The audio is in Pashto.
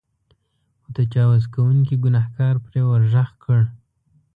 خو تجاوز کوونکي ګنهکار پرې ورغږ کړ.